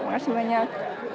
terima kasih banyak